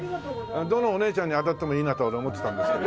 どのお姉ちゃんにあたってもいいなと俺思ってたんですけど。